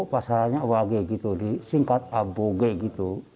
pasarnya wage di singkat abogai